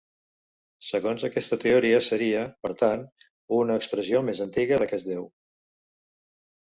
Segons aquesta teoria seria, per tant, una expressió més antiga d'aquest déu.